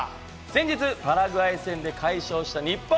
先日パラグアイ戦で快勝した日本。